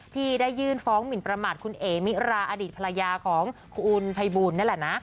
ที่ได้ยื่นฟ้องหมินประมาทคุณเอ๋มิราอดีตภรรยาของคุณอุ่นภัยบูลนั่นแหละนะ